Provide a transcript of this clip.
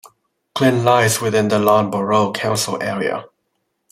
Glynn lies within the Larne Borough Council area.